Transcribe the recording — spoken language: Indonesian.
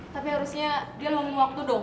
tapi harusnya dia nunggu waktu dong